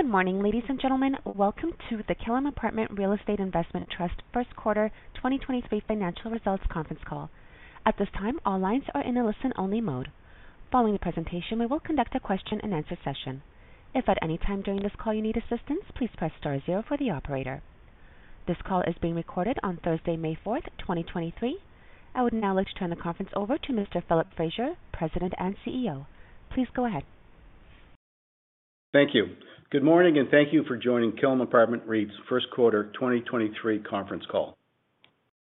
Good morning, ladies and gentlemen. Welcome to the Killam Apartment Real Estate Investment Trust 1st quarter 2023 financial results conference call. At this time, all lines are in a listen only mode. Following the presentation, we will conduct a question-and-answer session. If at any time during this call you need assistance, please press star 0 for the operator. This call is being recorded on Thursday, May 4, 2023. I would now like to turn the conference over to Mr. Philip Fraser, President and CEO. Please go ahead. Thank you. Good morning, and thank you for joining Killam Apartment REIT's 1st quarter 2023 conference call.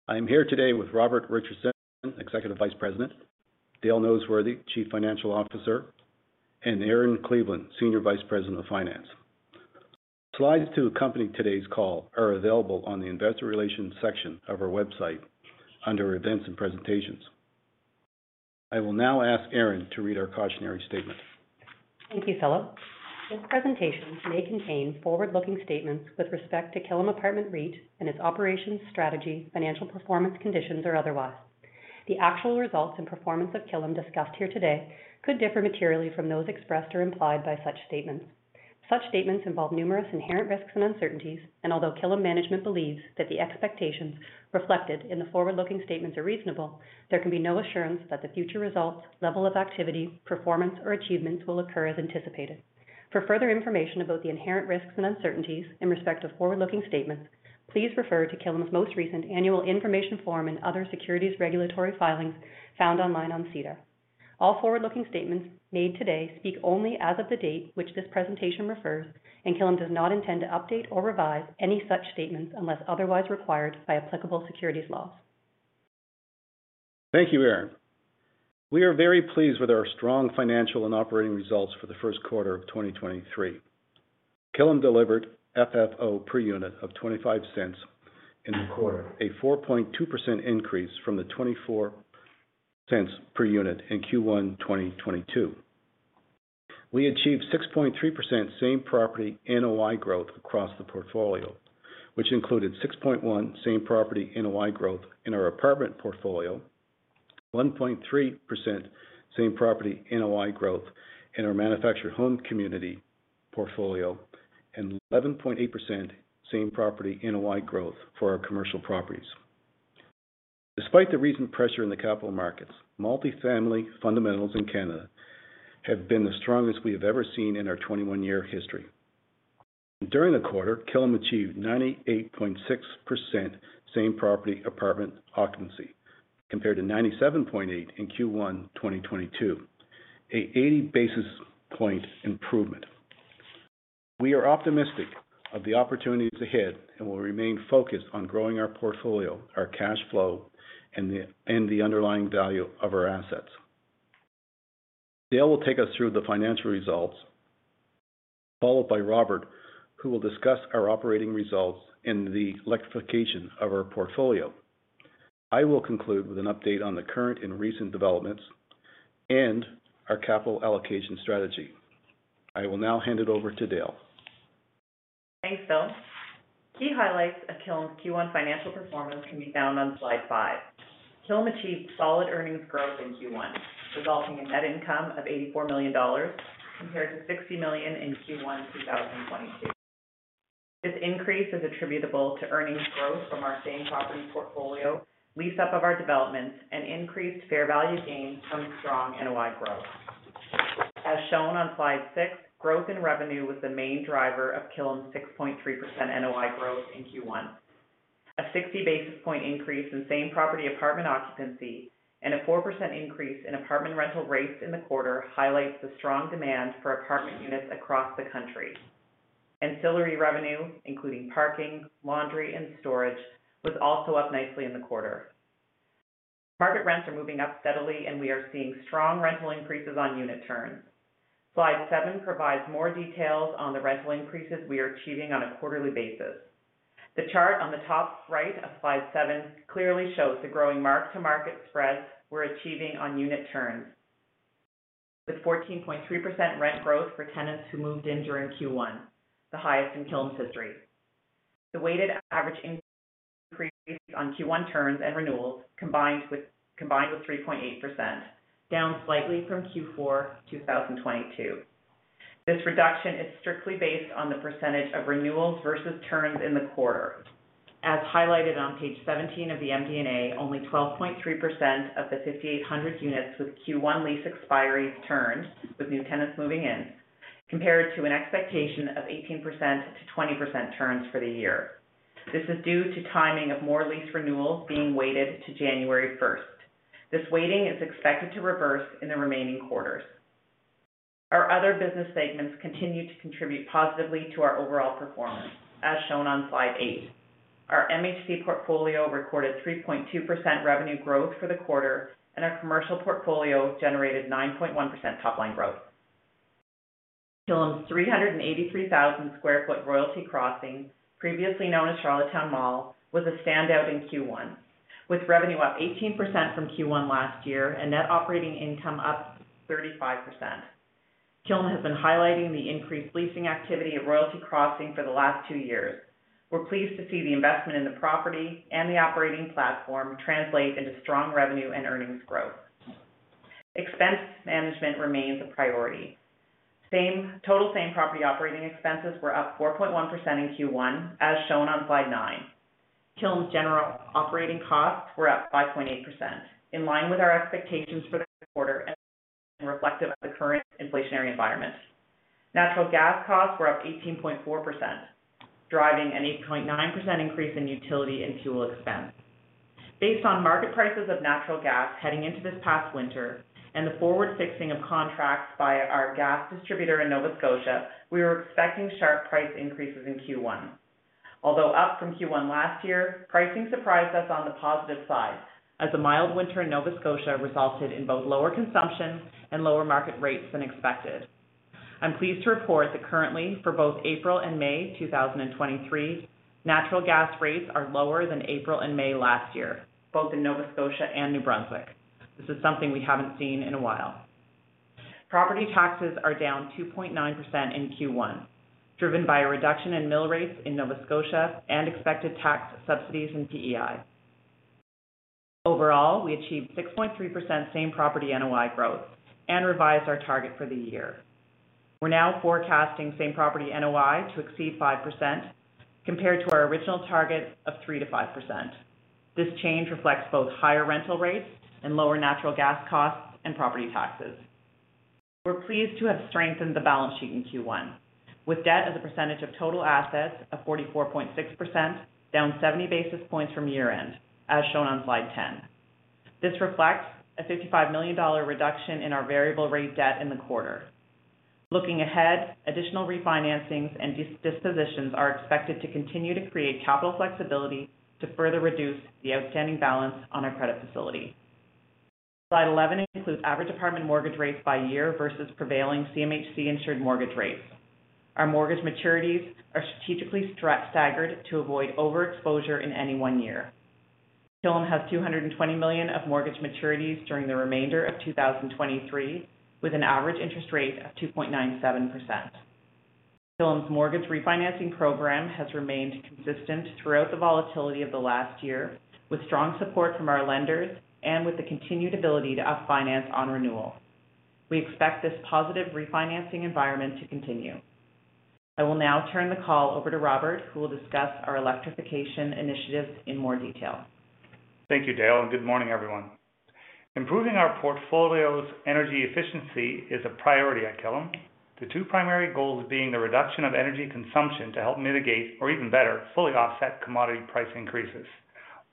I am here today with Robert Richardson, Executive Vice President, Dale Noseworthy, Chief Financial Officer, and Erin Cleveland, Senior Vice President of Finance. Slides to accompany today's call are available on the investor relations section of our website under Events and Presentations. I will now ask Erin to read our cautionary statement. Thank you, Philip. This presentation may contain forward-looking statements with respect to Killam Apartment REIT and its operations, strategy, financial performance, conditions, or otherwise. The actual results and performance of Killam discussed here today could differ materially from those expressed or implied by such statements. Although Killam management believes that the expectations reflected in the forward-looking statements are reasonable, there can be no assurance that the future results, level of activity, performance, or achievements will occur as anticipated. For further information about the inherent risks and uncertainties in respect to forward-looking statements, please refer to Killam's most recent annual information form and other securities regulatory filings found online on SEDAR. All forward-looking statements made today speak only as of the date which this presentation refers, and Killam does not intend to update or revise any such statements unless otherwise required by applicable securities laws. Thank you, Erin. We are very pleased with our strong financial and operating results for the first quarter of 2023. Killam delivered FFO per unit of 0.25 in the quarter, a 4.2% increase from the 0.24 per unit in Q1 2022. We achieved 6.3% same property NOI growth across the portfolio, which included 6.1% same property NOI growth in our apartment portfolio, 1.3% same property NOI growth in the Manufactured Home Community portfolio, and 11.8% same property NOI growth for our commercial properties. Despite the recent pressure in the capital markets, multifamily fundamentals in Canada have been the strongest we have ever seen in our 21-year history. During the quarter, Killam achieved 98.6% same property apartment occupancy compared to 97.8% in Q1 2022, a 80 basis point improvement. We are optimistic of the opportunities ahead and will remain focused on growing our portfolio, our cash flow, and the underlying value of our assets. Dale will take us through the financial results, followed by Robert, who will discuss our operating results in the electrification of our portfolio. I will conclude with an update on the current and recent developments and our capital allocation strategy. I will now hand it over to Dale. Thanks, Phil. Key highlights of Killam's Q one financial performance can be found on slide five. Killam achieved solid earnings growth in Q one, resulting in net income of 84 million dollars compared to 60 million in Q one 2022. This increase is attributable to earnings growth from our same property portfolio, lease up of our developments, and increased fair value gains from strong NOI growth. As shown on slide six, growth in revenue was the main driver of Killam's 6.3% NOI growth in Q one. A 60 basis point increase in same property apartment occupancy and a 4% increase in apartment rental rates in the quarter highlights the strong demand for apartment units across the country. Ancillary revenue, including parking, laundry, and storage, was also up nicely in the quarter. Market rents are moving up steadily. We are seeing strong rental increases on unit turns. Slide 7 provides more details on the rental increases we are achieving on a quarterly basis. The chart on the top right of slide 7 clearly shows the growing mark-to-market spreads we're achieving on unit turns, with 14.3% rent growth for tenants who moved in during Q1, the highest in Killam's history. The weighted average increase on Q1 turns and renewals combined with 3.8%, down slightly from Q4 2022. This reduction is strictly based on the percentage of renewals versus turns in the quarter. As highlighted on page 17 of the MD&A, only 12.3% of the 5,800 units with Q1 lease expiries turned with new tenants moving in, compared to an expectation of 18%-20% turns for the year. This is due to timing of more lease renewals being weighted to January first. This weighting is expected to reverse in the remaining quarters. Our other business segments continue to contribute positively to our overall performance, as shown on slide 8. Our MHC portfolio recorded 3.2% revenue growth for the quarter, and our commercial portfolio generated 9.1% top line growth. Killam's 383,000sq ft Royalty Crossing, previously known as Charlottetown Mall, was a standout in Q1, with revenue up 18% from Q1 last year and net operating income up 35%. Killam has been highlighting the increased leasing activity at Royalty Crossing for the last two years. We're pleased to see the investment in the property and the operating platform translate into strong revenue and earnings growth. Expense management remains a priority. Total same-property operating expenses were up 4.1% in Q1 as shown on slide 9. Killam's general operating costs were up 5.8%, in line with our expectations for the quarter and reflective of the current inflationary environment. Natural gas costs were up 18.4%, driving an 8.9% increase in utility and fuel expense. Based on market prices of natural gas heading into this past winter and the forward fixing of contracts via our gas distributor in Nova Scotia, we were expecting sharp price increases in Q1. Although up from Q1 last year, pricing surprised us on the positive side as a mild winter in Nova Scotia resulted in both lower consumption and lower market rates than expected. I'm pleased to report that currently for both April and May 2023, natural gas rates are lower than April and May last year, both in Nova Scotia and New Brunswick. This is something we haven't seen in a while. Property taxes are down 2.9% in Q1, driven by a reduction in mill rates in Nova Scotia and expected tax subsidies in PEI. Overall, we achieved 6.3% same-property NOI growth and revised our target for the year. We're now forecasting same-property NOI to exceed 5% compared to our original target of 3%-5%. This change reflects both higher rental rates and lower natural gas costs and property taxes. We're pleased to have strengthened the balance sheet in Q1 with debt as a percentage of total assets of 44.6%, down 70 basis points from year-end, as shown on slide 10. This reflects a 55 million dollar reduction in our variable rate debt in the quarter. Looking ahead, additional re-financings and dispositions are expected to continue to create capital flexibility to further reduce the outstanding balance on our credit facility. Slide 11 includes average apartment mortgage rates by year versus prevailing CMHC-insured mortgage rates. Our mortgage maturities are strategically staggered to avoid overexposure in any one year. Killam has 220 million of mortgage maturities during the remainder of 2023, with an average interest rate of 2.97%. Killam's mortgage refinancing program has remained consistent throughout the volatility of the last year, with strong support from our lenders and with the continued ability to up finance on renewal. We expect this positive refinancing environment to continue. I will now turn the call over to Robert, who will discuss our electrification initiatives in more detail. Thank you, Dale, and good morning, everyone. Improving our portfolio's energy efficiency is a priority at Killam. The two primary goals being the reduction of energy consumption to help mitigate or even better, fully offset commodity price increases,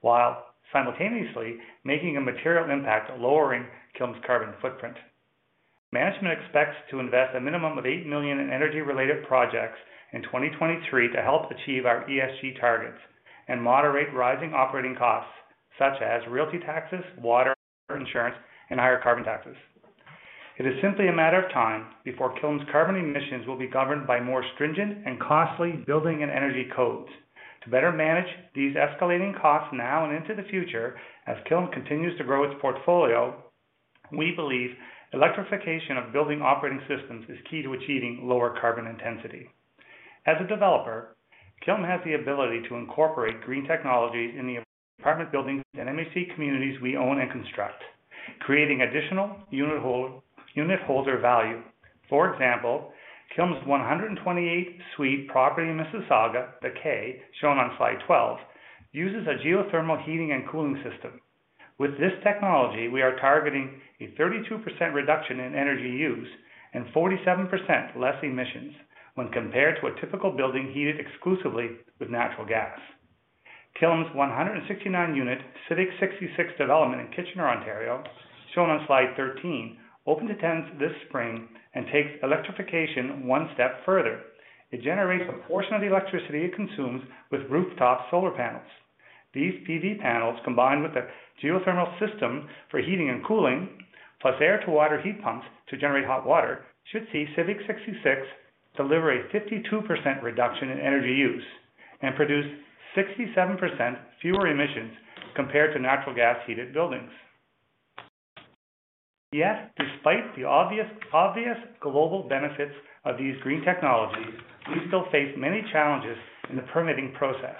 while simultaneously making a material impact lowering Killam's carbon footprint. Management expects to invest a minimum of 8 million in energy-related projects in 2023 to help achieve our ESG targets and moderate rising operating costs such as realty taxes, water, insurance, and higher carbon taxes. It is simply a matter of time before Killam's carbon emissions will be governed by more stringent and costly building and energy codes. To better manage these escalating costs now and into the future, as Killam continues to grow its portfolio, we believe electrification of building operating systems is key to achieving lower carbon intensity. As a developer, Killam has the ability to incorporate green technology in the apartment buildings and MHC communities we own and construct, creating additional unit holder value. For example, Killam's 128-suite property in Mississauga, The Kay, shown on slide 12, uses a geothermal heating and cooling system. With this technology, we are targeting a 32% reduction in energy use and 47% less emissions when compared to a typical building heated exclusively with natural gas. Killam's 169-unit Civic 66 development in Kitchener, Ontario, shown on slide 13, opened to tenants this spring and takes electrification one step further. It generates a portion of the electricity it consumes with rooftop solar panels. These PV panels, combined with a geothermal system for heating and cooling, plus air-to-water heat pumps to generate hot water, should see Civic 66 deliver a 52% reduction in energy use and produce 67% fewer emissions compared to natural gas heated buildings. Despite the obvious global benefits of these green technologies, we still face many challenges in the permitting process.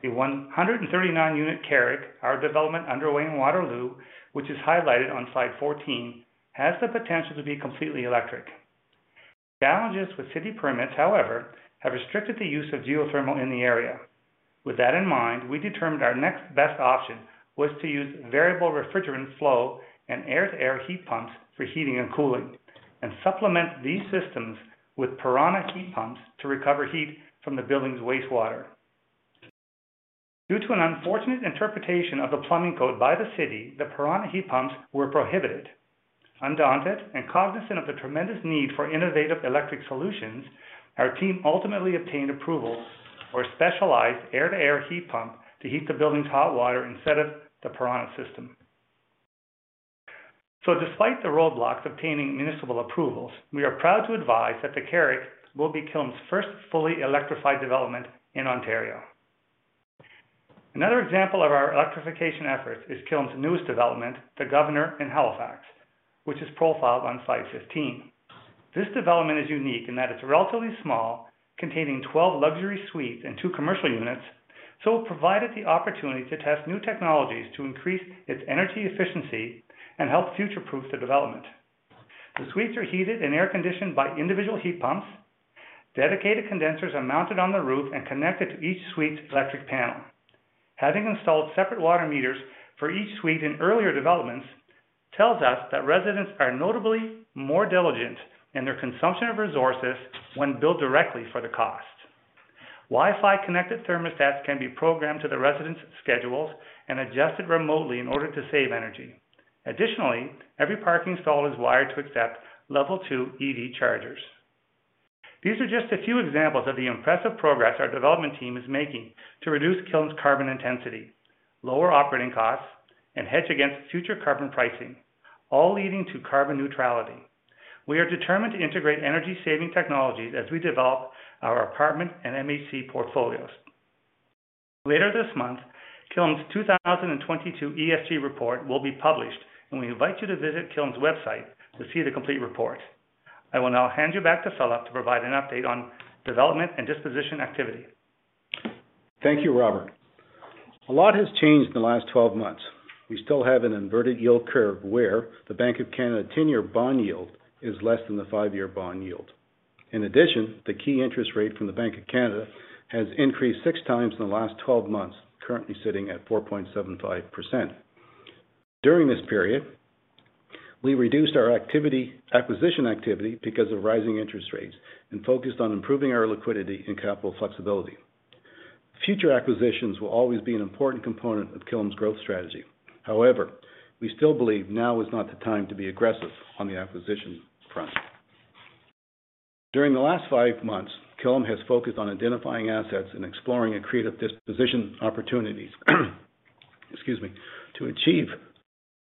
The 139-unit The Carrick, our development underway in Waterloo, which is highlighted on slide 14, has the potential to be completely electric. Challenges with city permits, however, have restricted the use of geothermal in the area. With that in mind, we determined our next best option was to use variable refrigerant flow and air-to-air heat pumps for heating and cooling, and supplement these systems with PIRANHA heat pumps to recover heat from the building's wastewater. Due to an unfortunate interpretation of the plumbing code by the city, the PIRANHA heat pumps were prohibited. Undaunted and cognizant of the tremendous need for innovative electric solutions, our team ultimately obtained approval for a specialized air-to-air heat pump to heat the building's hot water instead of the PIRANHA system. Despite the roadblocks obtaining municipal approvals, we are proud to advise that The Carrick will be Killam's first fully electrified development in Ontario. Another example of our electrification efforts is Killam's newest development, the Governor in Halifax, which is profiled on slide 15. This development is unique in that it's relatively small, containing 12 luxury suites and two commercial units, so it provided the opportunity to test new technologies to increase its energy efficiency and help future-proof the development. The suites are heated and air-conditioned by individual heat pumps. Dedicated condensers are mounted on the roof and connected to each suite's electric panel. Having installed separate water meters for each suite in earlier developments tells us that residents are notably more diligent in their consumption of resources when billed directly for the cost. Wi-Fi connected thermostats can be programmed to the residents' schedules and adjusted remotely in order to save energy. Additionally, every parking stall is wired to accept level two EV chargers. These are just a few examples of the impressive progress our development team is making to reduce Killam's carbon intensity, lower operating costs, and hedge against future carbon pricing, all leading to carbon neutrality. We are determined to integrate energy-saving technologies as we develop our apartment and MHC portfolios. Later this month, Killam's 2022 ESG report will be published, and we invite you to visit Killam's website to see the complete report. I will now hand you back to Philip to provide an update on development and disposition activity. Thank you, Robert. A lot has changed in the last 12 months. We still have an inverted yield curve where the Bank of Canada 10-year bond yield is less than the 5-year bond yield. In addition, the key interest rate from the Bank of Canada has increased 6 times in the last 12 months, currently sitting at 4.75%. During this period, we reduced our activity, acquisition activity because of rising interest rates and focused on improving our liquidity and capital flexibility. Future acquisitions will always be an important component of Killam's growth strategy. However, we still believe now is not the time to be aggressive on the acquisition front. During the last 5 months, Killam has focused on identifying assets and exploring and create disposition opportunities, excuse me,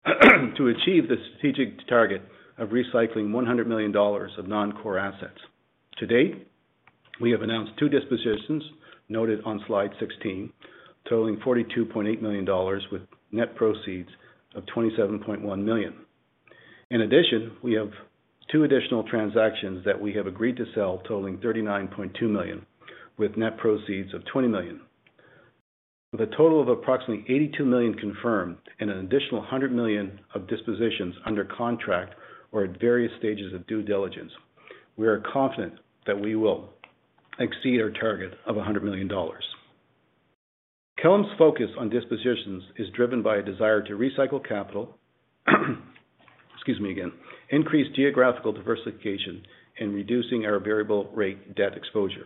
to achieve the strategic target of recycling 100 million dollars of non-core assets. To date, we have announced 2 dispositions noted on slide 16, totaling 42.8 million dollars with net proceeds of 27.1 million. In addition, we have 2 additional transactions that we have agreed to sell, totaling 39.2 million, with net proceeds of 20 million. With a total of approximately 82 million confirmed and an additional 100 million of dispositions under contract or at various stages of due diligence, we are confident that we will exceed our target of 100 million dollars. Killam's focus on dispositions is driven by a desire to recycle capital, excuse me again, increase geographical diversification, and reducing our variable rate debt exposure.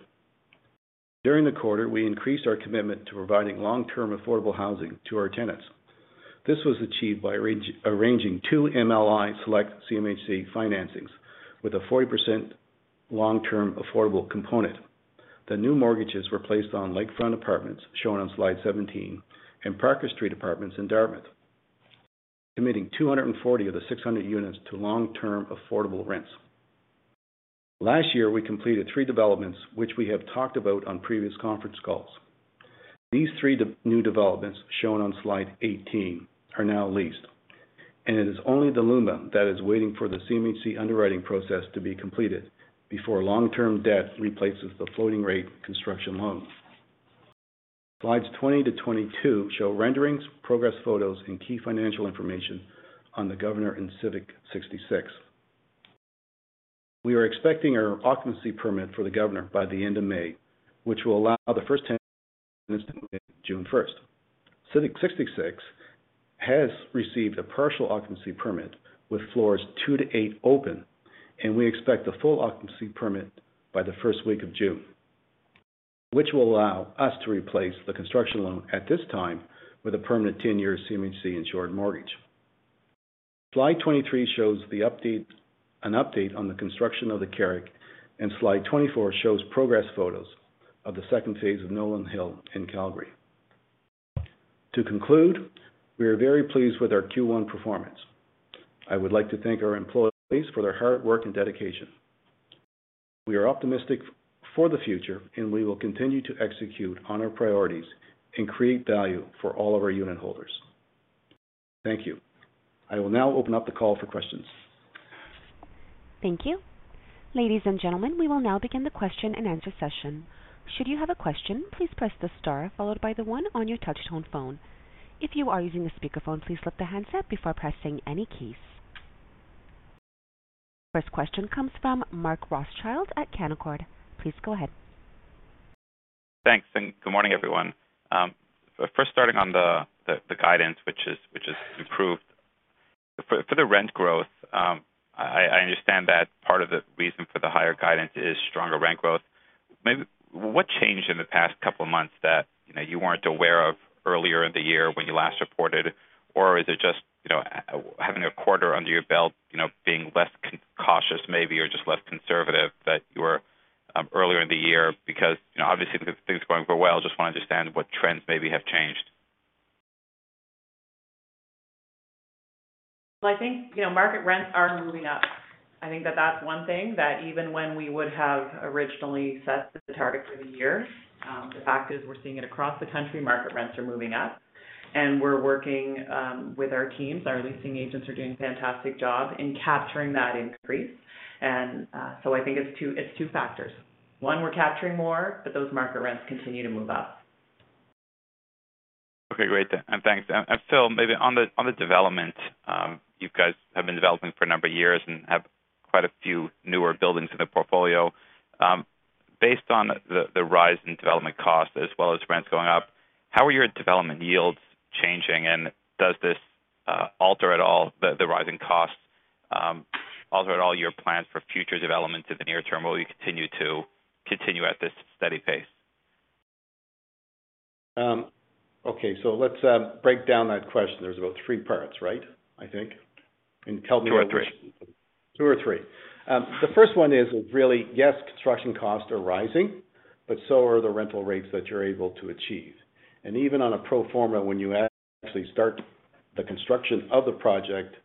During the quarter, we increased our commitment to providing long-term affordable housing to our tenants. This was achieved by arranging 2 MLI Select CMHC financings with a 40% long-term affordable component. The new mortgages were placed on Lakefront Apartments, shown on slide 17, and Parker Street apartments in Dartmouth, committing 240 of the 600 units to long-term affordable rents. Last year, we completed three developments which we have talked about on previous conference calls. These three new developments, shown on slide 18, are now leased, and it is only the Luma that is waiting for the CMHC underwriting process to be completed before long-term debt replaces the floating rate construction loan. Slides 20 to 22 show renderings, progress photos, and key financial information on the Governor and Civic 66. We are expecting our occupancy permit for the Governor by the end of May, which will allow the first tenants to move in June 1st. Civic 66 has received a partial occupancy permit with floors 2 to 8 open. We expect the full occupancy permit by the 1st week of June, which will allow us to replace the construction loan at this time with a permanent 10-year CMHC-insured mortgage. Slide 23 shows the update, an update on the construction of The Carrick. Slide 24 shows progress photos of the 2nd phase of Nolan Hill in Calgary. We are very pleased with our Q1 performance. I would like to thank our employees for their hard work and dedication. We are optimistic for the future. We will continue to execute on our priorities and create value for all of our unitholders. Thank you. I will now open up the call for questions. Thank you. Ladies and gentlemen, we will now begin the question-and-answer session. Should you have a question, please press the star followed by the one on your touchtone phone. If you are using a speakerphone, please lift the handset before pressing any keys. First question comes from Mark Rothschild at Canaccord. Please go ahead. Thanks. Good morning, everyone. First starting on the guidance which is improved. For the rent growth, I understand that part of the reason for the higher guidance is stronger rent growth. Maybe what changed in the past couple of months that, you know, you weren't aware of earlier in the year when you last reported? Or is it just, you know, having a quarter under your belt, you know, being less cautious maybe, or just less conservative that you were earlier in the year? Because, you know, obviously things are going very well. Just want to understand what trends maybe have changed. Well, I think, you know, market rents are moving up. I think that that's one thing that even when we would have originally set the target for the year, the fact is we're seeing it across the country, market rents are moving up. We're working with our teams. Our leasing agents are doing a fantastic job in capturing that increase. I think it's two factors. One, we're capturing more, those market rents continue to move up. Okay, great. Thanks. Phil, maybe on the development, you guys have been developing for a number of years and have quite a few newer buildings in the portfolio. Based on the rise in development costs as well as rents going up, how are your development yields changing? Does this alter at all the rising costs, alter at all your plans for future development in the near term? Will you continue at this steady pace? Okay. Let's break down that question. There's about 3 parts, right? I think. Two or three. Two or three. The first one is really, yes, construction costs are rising, but so are the rental rates that you're able to achieve. Even on a pro forma, when you actually start the construction of the project,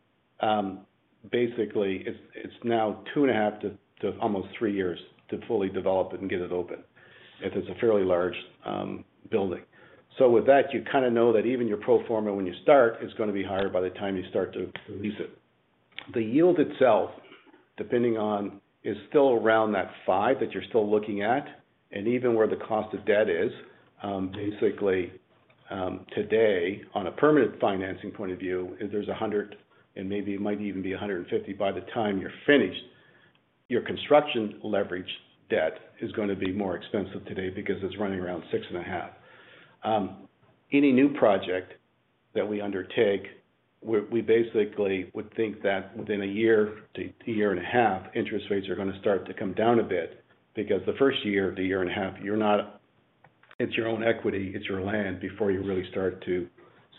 basically it's now 2 and a half to almost 3 years to fully develop it and get it open if it's a fairly large building. With that, you kind of know that even your pro forma when you start is gonna be higher by the time you start to lease it. The yield itself, depending on, is still around that 5% that you're still looking at. Even where the cost of debt is basically today, on a permanent financing point of view, if there's 100 and maybe it might even be 150 by the time you're finished, your construction leverage debt is gonna be more expensive today because it's running around 6.5%. Any new project that we undertake, we basically would think that within one year-1.5 years, interest rates are gonna start to come down a bit because the first year-1.5 years, It's your own equity, it's your land before you really start to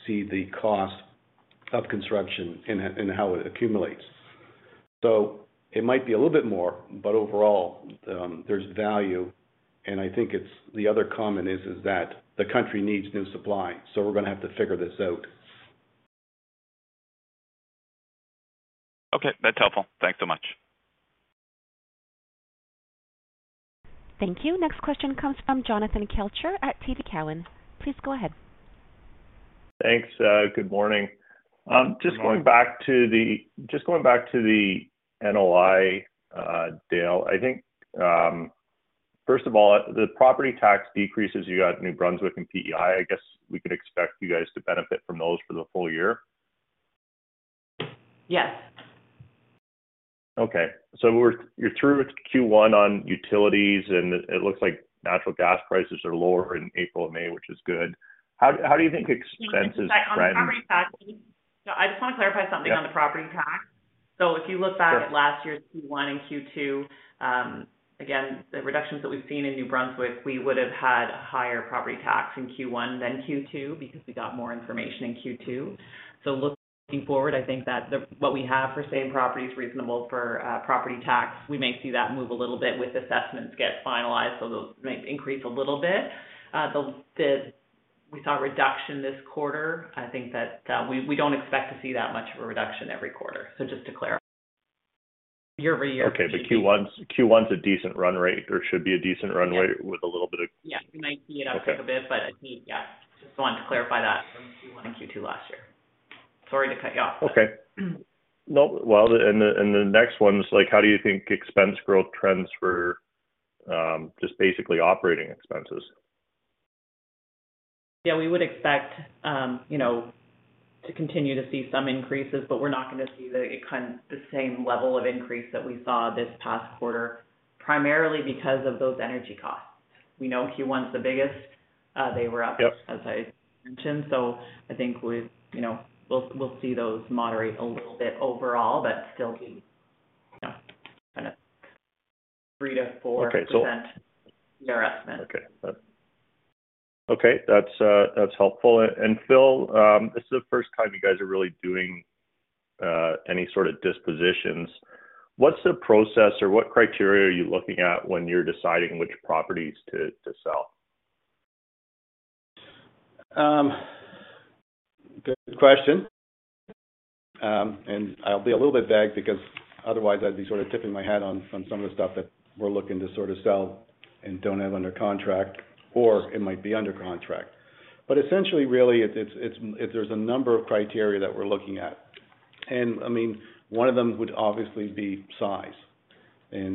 see the cost of construction and how it accumulates. It might be a little bit more, but overall, there's value. I think the other comment is that the country needs new supply, so we're gonna have to figure this out. Okay. That's helpful. Thanks so much. Thank you. Next question comes from Jonathan Kelcher at TD Cowen. Please go ahead. Thanks. Good morning. Good morning. Just going back to the NOI, Dale, I think, first of all, the property tax decreases you got in New Brunswick and PEI, I guess we could expect you guys to benefit from those for the full year. Yes. Okay. you're through Q1 on utilities, and it looks like natural gas prices are lower in April and May, which is good. How do you think expenses trend? On the property tax. No, I just want to clarify something. Yeah. On the property tax. If you look back at last year's Q1 and Q2, again, the reductions that we've seen in New Brunswick, we would have had higher property tax in Q1 than Q2 because we got more information in Q2. Looking forward, I think that what we have for same property is reasonable for property tax. We may see that move a little bit with assessments get finalized, so those might increase a little bit. We saw a reduction this quarter. I think that we don't expect to see that much of a reduction every quarter. Just to clarify year-over-year. Okay. Q1's a decent run rate or should be a decent run rate. Yeah. With a little bit of- Yeah. You might see it uptick a bit, but yeah. Just wanted to clarify that from Q1 and Q2 last year. Sorry to cut you off. Okay. No. Well, the next one's like, how do you think expense growth trends for, just basically operating expenses? We would expect, you know, to continue to see some increases, but we're not gonna see the kind of the same level of increase that we saw this past quarter, primarily because of those energy costs. We know Q1's the biggest. Yep. As I mentioned. I think we, you know, we'll see those moderate a little bit overall, but still be, you know, kind of 3%-4%. Okay. Your estimate. Okay. That's, that's helpful. Phil, this is the first time you guys are really doing, any sort of dispositions. What's the process or what criteria are you looking at when you're deciding which properties to sell? Good question. I'll be a little bit vague because otherwise I'd be sort of tipping my hat on some of the stuff that we're looking to sort of sell and don't have under contract, or it might be under contract. Essentially, really, it's there's a number of criteria that we're looking at. I mean, one of them would obviously be size. You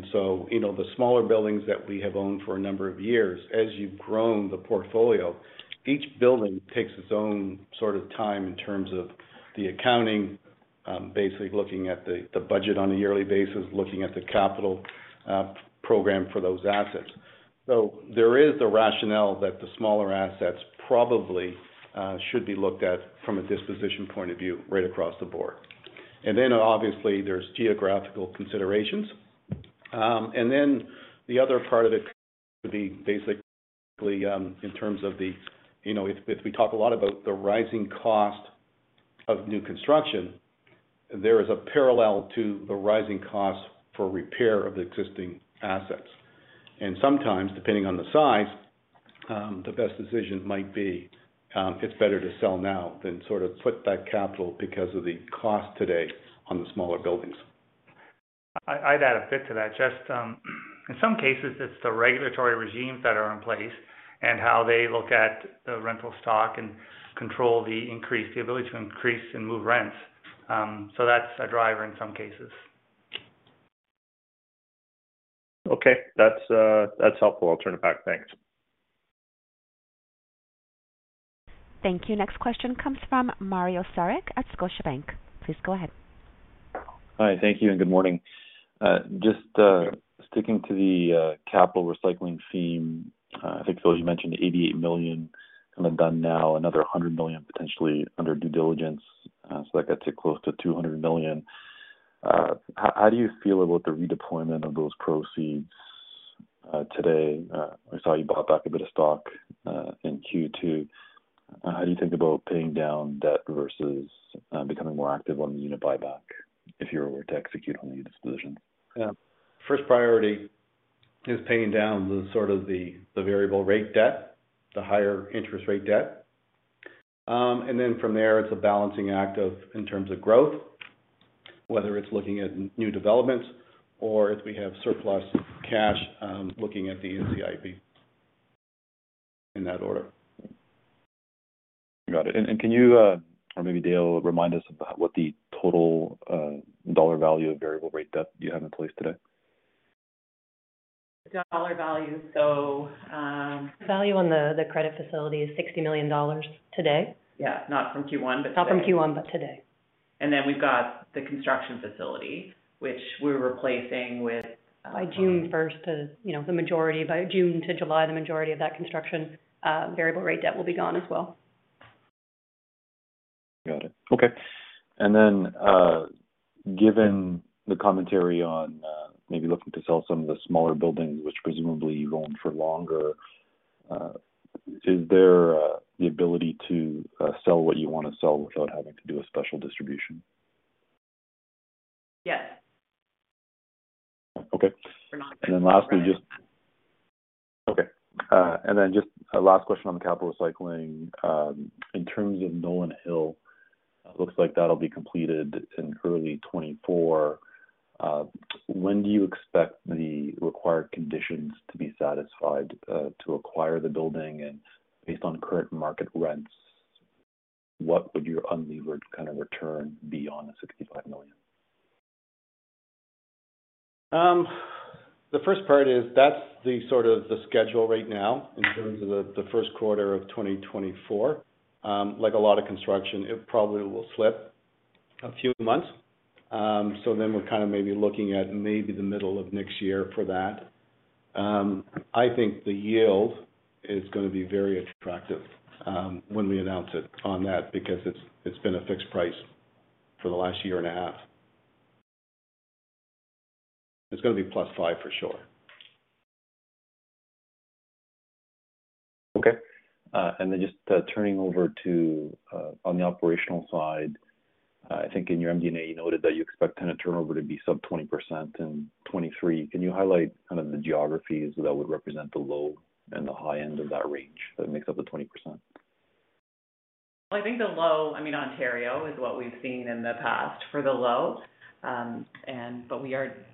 know, the smaller buildings that we have owned for a number of years, as you've grown the portfolio, each building takes its own sort of time in terms of the accounting, basically looking at the budget on a yearly basis, looking at the capital program for those assets. There is the rationale that the smaller assets probably should be looked at from a disposition point of view right across the board. Obviously, there's geographical considerations. The other part of it would be basically, in terms of the, you know, if we talk a lot about the rising cost of new construction, there is a parallel to the rising cost for repair of the existing assets. Sometimes, depending on the size, the best decision might be, it's better to sell now than sort of put that capital because of the cost today on the smaller buildings. I'd add a bit to that. Just, in some cases, it's the regulatory regimes that are in place and how they look at the rental stock and control the ability to increase and move rents. That's a driver in some cases. Okay. That's, that's helpful. I'll turn it back. Thanks. Thank you. Next question comes from Mario Saric at Scotiabank. Please go ahead. Hi. Thank you, and good morning. Just sticking to the capital recycling theme. I think, Phil, you mentioned 88 million kind of done now, another 100 million potentially under due diligence. That gets it close to 200 million. How do you feel about the redeployment of those proceeds today? I saw you bought back a bit of stock in Q2. How do you think about paying down debt versus becoming more active on the unit buyback if you were to execute on the disposition? Yeah. First priority is paying down the sort of the variable rate debt, the higher interest rate debt. From there, it's a balancing act of in terms of growth, whether it's looking at new developments or if we have surplus cash, looking at the NCIB in that order. Got it. Can you, or maybe Dale, remind us about what the total dollar value of variable rate debt you have in place today? Dollar value. Value on the credit facility is 60 million dollars today. Yeah. Not from Q1, but today. Not from Q1, but today. We've got the construction facility, which we're replacing with. By June first to, you know, by June to July, the majority of that construction, variable rate debt will be gone as well. Got it. Okay. Given the commentary on maybe looking to sell some of the smaller buildings, which presumably you've owned for longer, is there the ability to sell what you wanna sell without having to do a special distribution? Yes. Okay. We're not there yet. Lastly, okay. Just a last question on the capital recycling. In terms of Nolan Hill, it looks like that'll be completed in early 2024. When do you expect the required conditions to be satisfied, to acquire the building? Based on current market rents, what would your unlevered kind of return be on the 65 million? The first part is that's the sort of the schedule right now in terms of the first quarter of 2024. Like a lot of construction, it probably will slip a few months. We're kind of maybe looking at maybe the middle of next year for that. I think the yield is gonna be very attractive, when we announce it on that because it's been a fixed price for the last year and a half. It's gonna be plus 5 for sure. Okay. Then just turning over to on the operational side. I think in your MD&A, you noted that you expect tenant turnover to be sub 20% in 2023. Can you highlight kind of the geographies that would represent the low and the high end of that range that makes up the 20%? I think the low, I mean Ontario is what we've seen in the past for the low.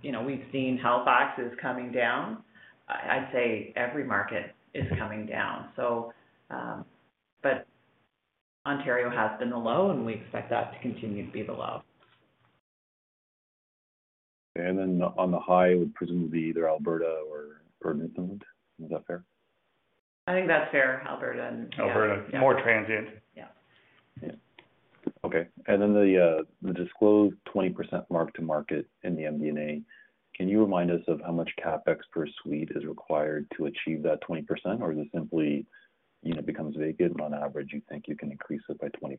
You know, we've seen Halifax is coming down. I'd say every market is coming down. But Ontario has been the low, and we expect that to continue to be the low. On the high, I would presumably either Alberta or Newfoundland. Is that fair? I think that's fair. Alberta and yeah. Alberta. More transient. Yeah. Yeah. Okay. The disclosed 20% mark-to-market in the MD&A, can you remind us of how much CapEx per suite is required to achieve that 20%? Or is it simply, you know, becomes vacant, on average you think you can increase it by 20%?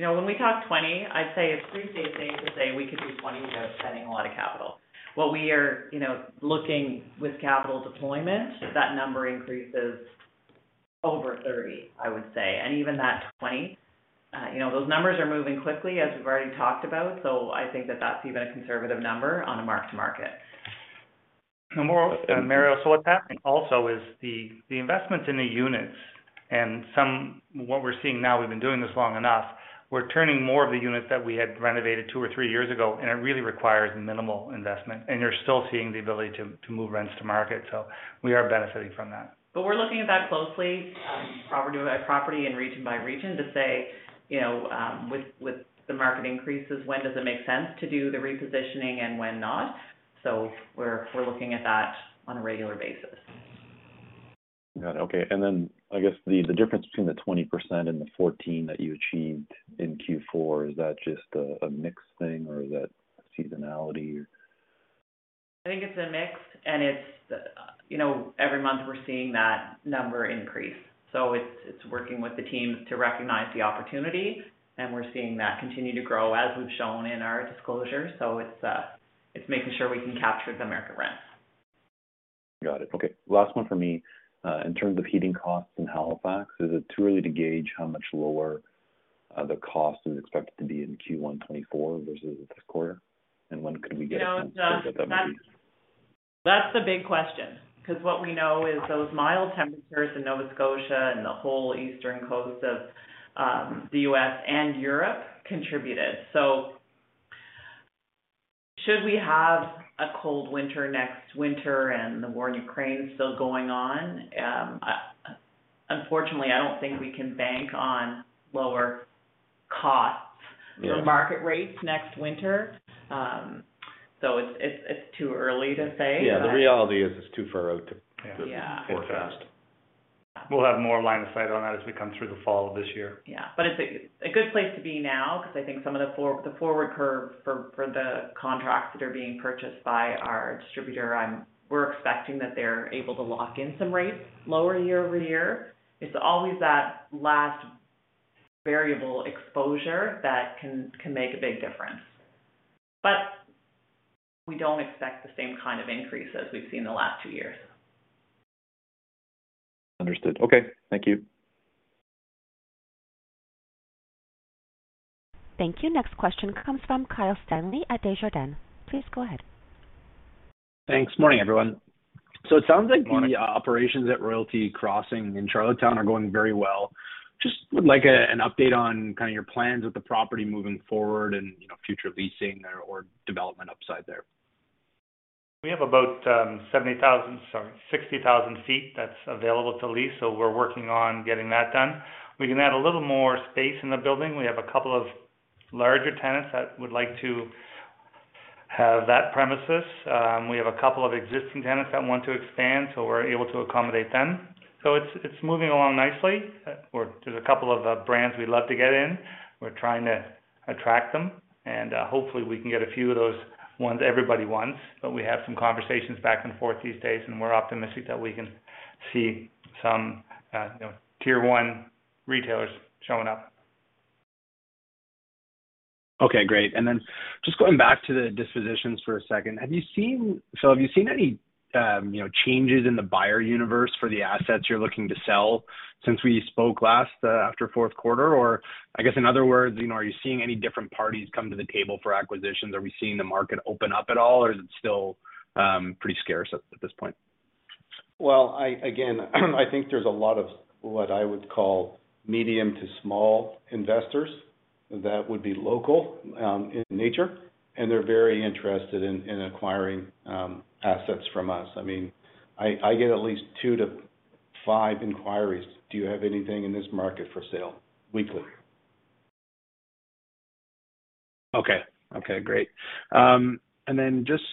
You know, when we talk 20, I'd say it's pretty safe to say we could do 20 without spending a lot of capital. What we are, you know, looking with capital deployment, that number increases over 30, I would say. Even that 20, uh, you know, those numbers are moving quickly as we've already talked about. I think that that's even a conservative number on a mark-to-market. Mario, what's happening also is the investments in the units what we're seeing now, we've been doing this long enough, we're turning more of the units that we had renovated two or three years ago, and it really requires minimal investment, and you're still seeing the ability to move rents to market. We are benefiting from that. We're looking at that closely, property by property and region by region to say, you know, with the market increases, when does it make sense to do the repositioning and when not. we're looking at that on a regular basis. Got it. Okay. I guess the difference between the 20% and the 14% that you achieved in Q4, is that just a mix thing or is that seasonality? I think it's a mix and it's, you know, every month we're seeing that number increase. It's, it's working with the teams to recognize the opportunity, and we're seeing that continue to grow as we've shown in our disclosure. It's, it's making sure we can capture the market rents. Got it. Okay. Last one for me. In terms of heating costs in Halifax, is it too early to gauge how much lower? The cost is expected to be in Q1 2024 versus this quarter. When could we get a sense of what that would be? That's the big question, because what we know is those mild temperatures in Nova Scotia and the whole eastern coast of the U.S. and Europe contributed. Should we have a cold winter next winter and the war in Ukraine still going on, unfortunately, I don't think we can bank on lower costs. Yeah. -for market rates next winter. It's too early to say. Yeah. The reality is it's too far out to forecast. Yeah. We'll have more line of sight on that as we come through the fall of this year. It's a good place to be now, because I think some of the forward curve for the contracts that are being purchased by our distributor, we're expecting that they're able to lock in some rates lower year-over-year. It's always that last variable exposure that can make a big difference. We don't expect the same kind of increase as we've seen the last two years. Understood. Okay. Thank you. Thank you. Next question comes from Kyle Stanley at Desjardins. Please go ahead. Thanks. Morning, everyone. Morning. It sounds like the operations at Royalty Crossing in Charlottetown are going very well. Just would like a, an update on kind of your plans with the property moving forward and, you know, future leasing or development upside there. We have about, 70,000, sorry, 60,000ft that's available to lease. We're working on getting that done. We can add a little more space in the building. We have a couple of larger tenants that would like to have that premises. We have a couple of existing tenants that want to expand, so we're able to accommodate them. It's, it's moving along nicely. There's a couple of brands we'd love to get in. We're trying to attract them, and, hopefully we can get a few of those ones everybody wants. We have some conversations back and forth these days, and we're optimistic that we can see some, you know, tier one retailers showing up. Okay, great. Just going back to the dispositions for a second. Have you seen any, you know, changes in the buyer universe for the assets you're looking to sell since we spoke last after fourth quarter? I guess, in other words, you know, are you seeing any different parties come to the table for acquisitions? Are we seeing the market open up at all or is it still pretty scarce at this point? Well, again, I think there's a lot of what I would call medium to small investors that would be local in nature. They're very interested in acquiring assets from us. I mean, I get at least 2-5 inquiries, "Do you have anything in this market for sale?" weekly. Okay. Okay, great. Then just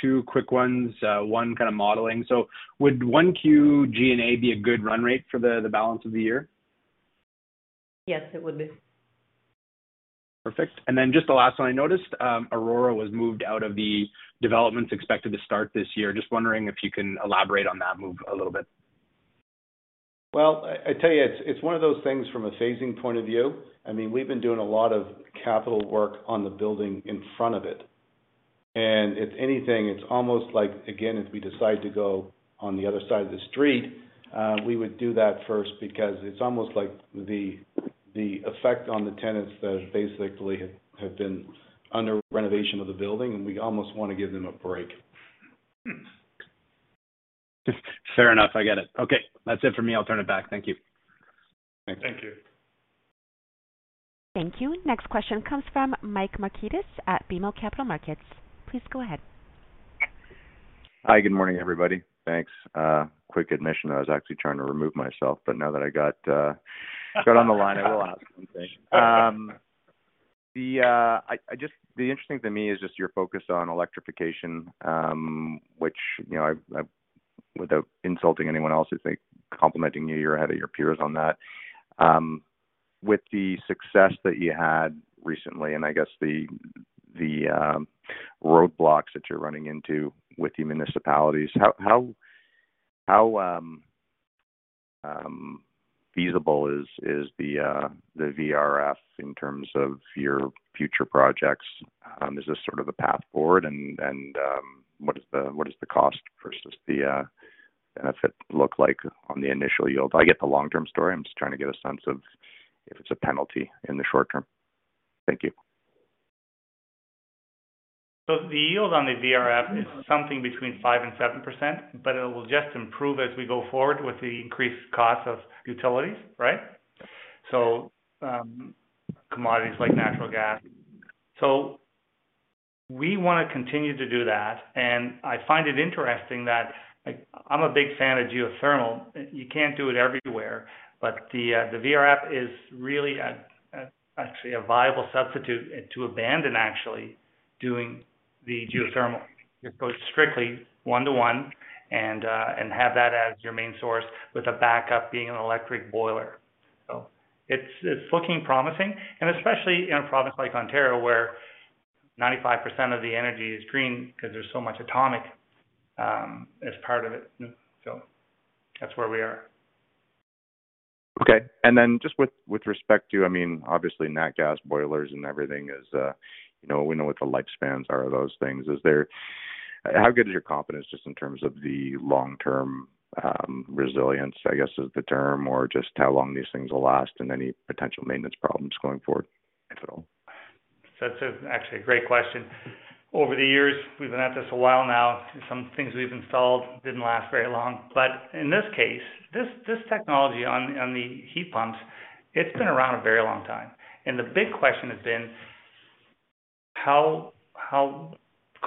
2 quick ones. 1 kind of modeling. Would 1 Q G&A be a good run rate for the balance of the year? Yes, it would be. Perfect. just the last one. I noticed, Aurora was moved out of the developments expected to start this year. Just wondering if you can elaborate on that move a little bit? Well, I tell you, it's one of those things from a phasing point of view. I mean, we've been doing a lot of capital work on the building in front of it, and if anything, it's almost like, again, if we decide to go on the other side of the street, we would do that first because it's almost like the effect on the tenants that basically have been under renovation of the building, and we almost want to give them a break. Fair enough. I get it. Okay. That's it for me. I'll turn it back. Thank you. Thanks. Thank you. Thank you. Next question comes from Michael Markidis at BMO Capital Markets. Please go ahead. Hi. Good morning, everybody. Thanks. quick admission. I was actually trying to remove myself, but now that I got on the line, I will ask something. The interesting to me is just your focus on electrification, which, you know, I've without insulting anyone else, it's like complimenting you're ahead of your peers on that. With the success that you had recently, and I guess the roadblocks that you're running into with the municipalities, how feasible is the VRF in terms of your future projects? Is this sort of the path forward? What is the cost versus the benefit look like on the initial yield? I get the long-term story. I'm just trying to get a sense of if it's a penalty in the short term. Thank you. The yield on the VRF is something between 5% and 7%, but it will just improve as we go forward with the increased cost of utilities, right? Commodities like natural gas. We wanna continue to do that. I find it interesting that, like, I'm a big fan of geothermal. You can't do it everywhere. The VRF is really actually a viable substitute to abandon actually doing the geothermal. It goes strictly 1 to 1 and have that as your main source with a backup being an electric boiler. It's looking promising. Especially in a province like Ontario, where 95% of the energy is green because there's so much atomic as part of it. That's where we are. Okay. Just with respect to, I mean, obviously nat gas boilers and everything is, you know, we know what the lifespans are of those things. Is there How good is your confidence just in terms of the long-term, resilience, I guess is the term, or just how long these things will last and any potential maintenance problems going forward? That's actually a great question. Over the years, we've been at this a while now, some things we've installed didn't last very long. In this case, this technology on the heat pumps, it's been around a very long time. The big question has been how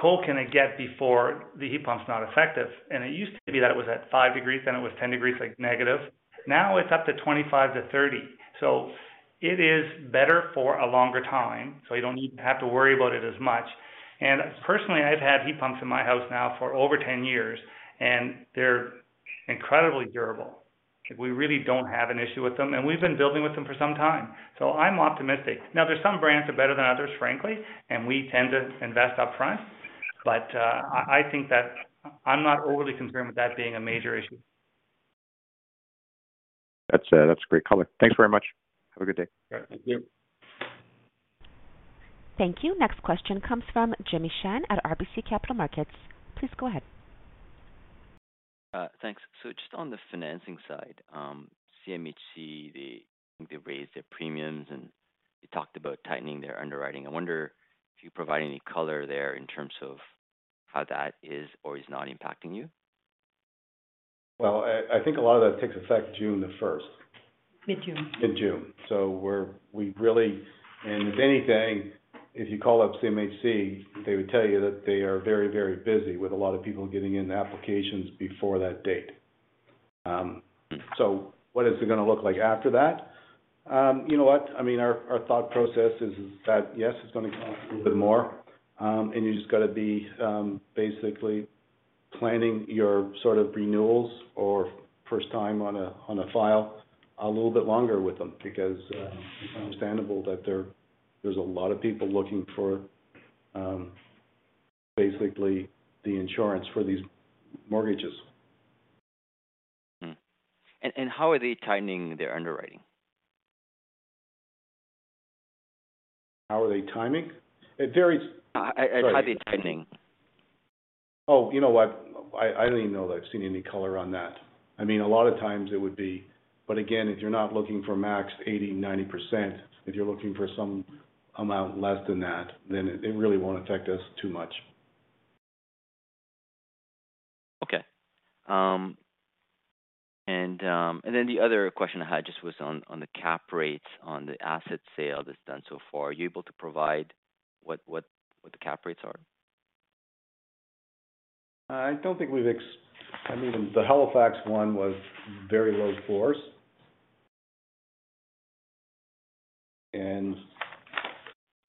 cold can it get before the heat pump's not effective? It used to be that it was at 5 degrees, then it was 10 degrees, like negative. Now it's up to 25 to 30. It is better for a longer time, so you don't need to have to worry about it as much. Personally, I've had heat pumps in my house now for over 10 years, and they're incredibly durable. We really don't have an issue with them, and we've been building with them for some time. I'm optimistic. There's some brands are better than others, frankly, and we tend to invest upfront. I think that I'm not overly concerned with that being a major issue. That's, that's a great color. Thanks very much. Have a good day. Thank you. Thank you. Next question comes from Jimmy Shan at RBC Capital Markets. Please go ahead. Thanks. Just on the financing side, CMHC, they raised their premiums, and they talked about tightening their underwriting. I wonder if you provide any color there in terms of how that is or is not impacting you? Well, I think a lot of that takes effect June the first. Mid-June. Mid-June. We really. If anything, if you call up CMHC, they would tell you that they are very, very busy with a lot of people getting in applications before that date. What is it gonna look like after that? You know what? I mean, our thought process is that, yes, it's gonna cost a little bit more, you just gotta be basically planning your sort of renewals or first time on a, on a file a little bit longer with them because it's understandable that there's a lot of people looking for basically the insurance for these mortgages. Mm-hmm. How are they tightening their underwriting? How are they timing? It varies. How are they tightening? Oh, you know what? I don't even know that I've seen any color on that. I mean, a lot of times it would be. Again, if you're not looking for max 80%, 90%, if you're looking for some amount less than that, then it really won't affect us too much. Okay. The other question I had just was on the cap rates on the asset sale that's done so far. Are you able to provide what the cap rates are? I mean, the Halifax one was very low fours.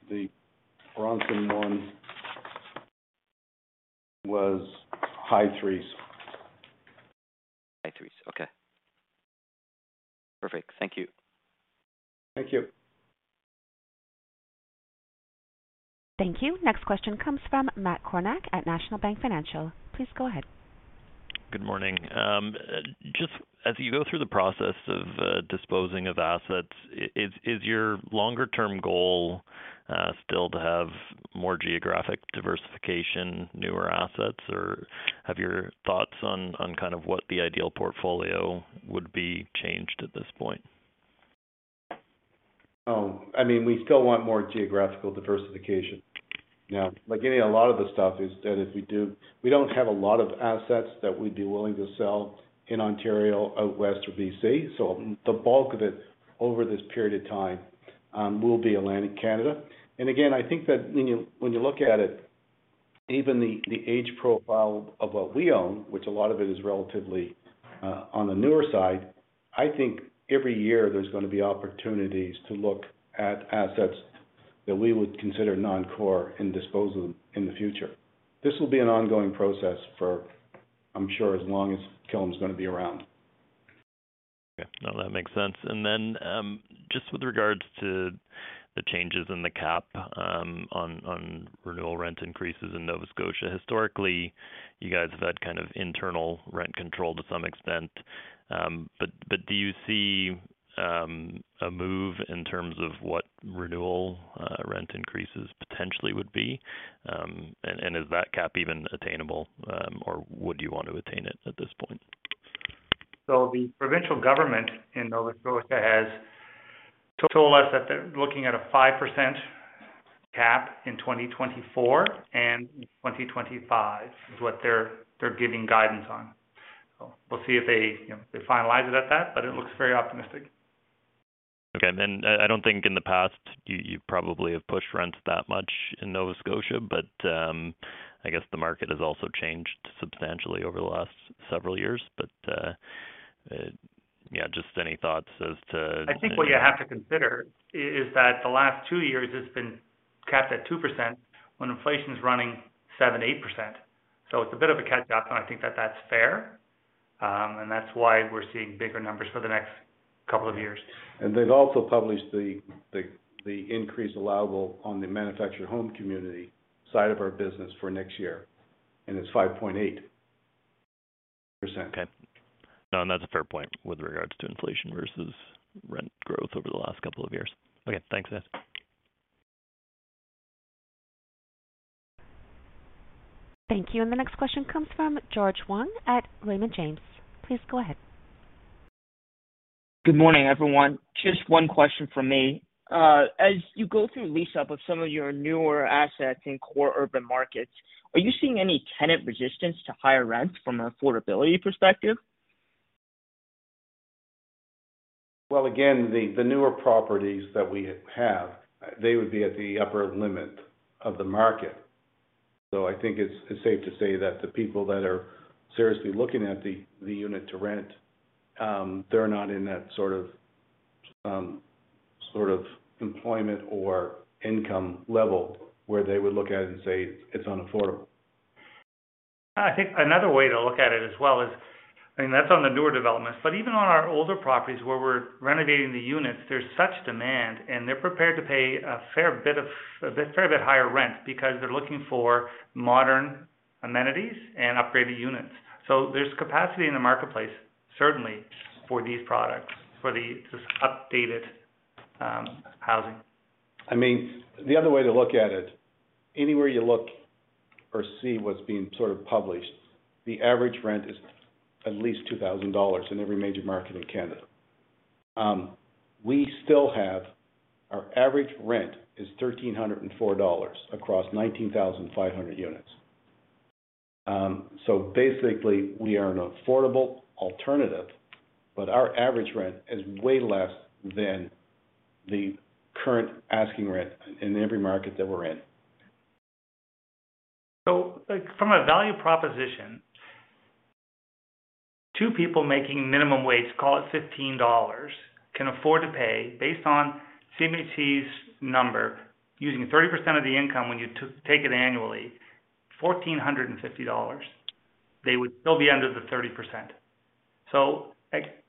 The Bronson one was high threes. High threes. Okay. Perfect. Thank you. Thank you. Thank you. Next question comes from Matt Kornack at National Bank Financial. Please go ahead. Good morning. just as you go through the process of disposing of assets, is your longer term goal still to have more geographic diversification, newer assets, or have your thoughts on kind of what the ideal portfolio would be changed at this point? I mean, we still want more geographical diversification. Like any, a lot of the stuff is that if we do, we don't have a lot of assets that we'd be willing to sell in Ontario, out West or BC. The bulk of it over this period of time will be Atlantic Canada. Again, I think that when you, when you look at it, even the age profile of what we own, which a lot of it is relatively on the newer side, I think every year there's gonna be opportunities to look at assets that we would consider non-core and dispose them in the future. This will be an ongoing process for, I'm sure, as long as Killam is gonna be around. Okay. No, that makes sense. Then, just with regards to the changes in the cap on renewal rent increases in Nova Scotia. Historically, you guys have had kind of internal rent control to some extent, but do you see a move in terms of what renewal rent increases potentially would be? Is that cap even attainable, or would you want to attain it at this point? The provincial government in Nova Scotia has told us that they're looking at a 5% cap in 2024 and 2025 is what they're giving guidance on. We'll see if they, you know, they finalize it at that, but it looks very optimistic. Okay. I don't think in the past you probably have pushed rents that much in Nova Scotia, I guess the market has also changed substantially over the last several years. Yeah, just any thoughts? I think what you have to consider is that the last two years, it's been capped at 2% when inflation is running 7%, 8%. It's a bit of a catch up, and I think that that's fair. That's why we're seeing bigger numbers for the next couple of years. They've also published the increase allowable on the Manufactured Home Community side of our business for next year, and it's 5.8%. Okay. No, that's a fair point with regards to inflation versus rent growth over the last couple of years. Okay, thanks, guys. Thank you. The next question comes from George Huang at Raymond James. Please go ahead. Good morning, everyone. Just one question from me. As you go through lease up of some of your newer assets in core urban markets, are you seeing any tenant resistance to higher rents from an affordability perspective? Again, the newer properties that we have, they would be at the upper limit of the market. I think it's safe to say that the people that are seriously looking at the unit to rent, they're not in that sort of employment or income level where they would look at it and say it's unaffordable. I think another way to look at it as well is, I mean, that's on the newer developments, but even on our older properties where we're renovating the units, there's such demand, and they're prepared to pay a fair bit higher rent because they're looking for modern amenities and upgraded units. There's capacity in the marketplace, certainly for these products, for the, this updated housing. I mean, the other way to look at it, anywhere you look or see what's being sort of published, the average rent is at least $2,000 in every major market in Canada. Our average rent is $1,304 across 19,500 units. Basically, we are an affordable alternative, but our average rent is way less than the current asking rent in every market that we're in. From a value proposition, two people making minimum wage, call it 15 dollars, can afford to pay based on CMHC's number, using 30% of the income when you take it annually, 1,450 dollars. They would still be under the 30%. Like,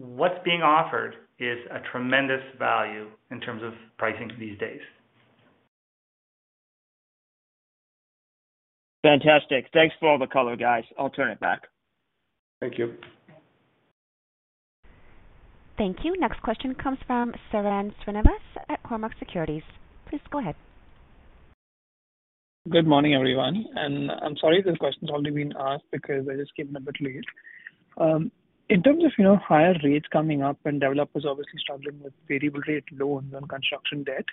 what's being offered is a tremendous value in terms of pricing these days. Fantastic. Thanks for all the color, guys. I'll turn it back. Thank you. Thank you. Next question comes from Sairam Srinivas at Cormark Securities. Please go ahead. Good morning, everyone. I'm sorry if this question's already been asked because I just came in a bit late. In terms of, you know, higher rates coming up and developers obviously struggling with variable rate loans and construction debt,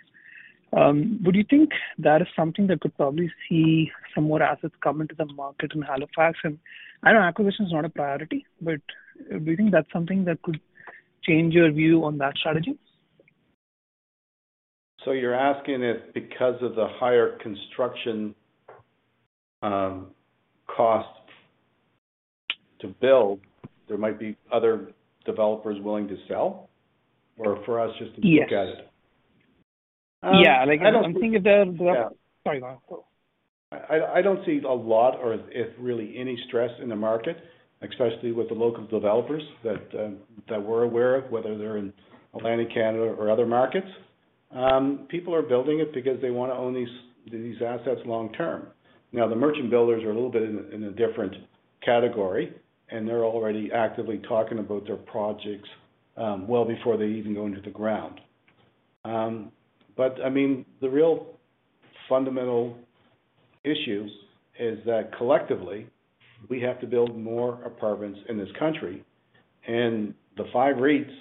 would you think that is something that could probably see some more assets come into the market in Halifax? I know acquisition is not a priority, but do you think that's something that could change your view on that strategy? You're asking if because of the higher construction, cost to build, there might be other developers willing to sell, or for us just to look at it? Yes. Yeah, like I'm thinking of the. Sorry, go on. I don't see a lot or if really any stress in the market, especially with the local developers that we're aware of, whether they're in Atlantic Canada or other markets. People are building it because they wanna own these assets long term. Now, the merchant builders are a little bit in a different category, and they're already actively talking about their projects, well before they even go into the ground. I mean, the real fundamental issues is that collectively, we have to build more apartments in this country. The 5 REITs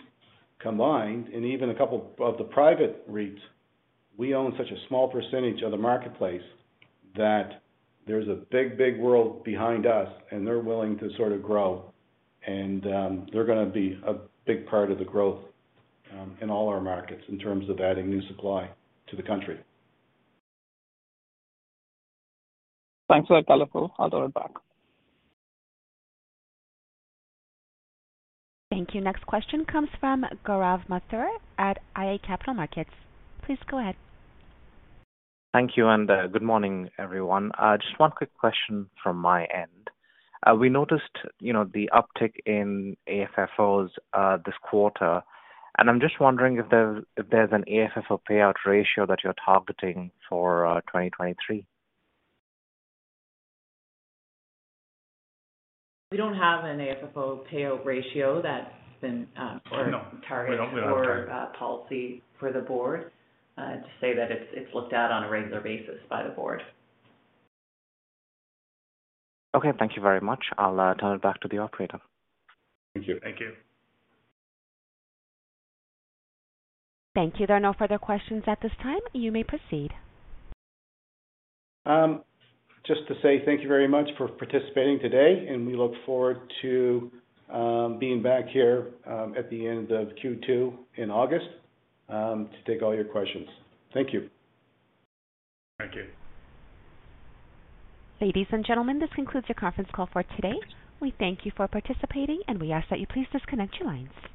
combined, and even a couple of the private REITs, we own such a small percentage of the marketplace that there's a big, big world behind us, and they're willing to sort of grow and, they're gonna be a big part of the growth in all our markets in terms of adding new supply to the country. Thanks for that color. I'll turn it back. Thank you. Next question comes from Gaurav Mathur at iA Capital Markets. Please go ahead. Thank you, and good morning, everyone. Just one quick question from my end. We noticed, you know, the uptick in AFFOs, this quarter. I'm just wondering if there, if there's an AFFO payout ratio that you're targeting for 2023? We don't have an AFFO payout ratio that's been. No. or policy for the board to say that it's looked at on a regular basis by the board. Okay, thank you very much. I'll turn it back to the operator. Thank you. Thank you. Thank you. There are no further questions at this time. You may proceed. Just to say thank you very much for participating today, and we look forward to being back here at the end of Q2 in August to take all your questions. Thank you. Thank you. Ladies and gentlemen, this concludes your conference call for today. We thank you for participating, and we ask that you please disconnect your lines.